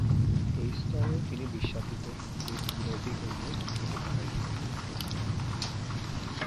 এই স্তরেও তিনি বিশ্বাতীত, তিনি দুরভিগম্য, কেহ তাঁহার নিকটে যাইতে পারে না।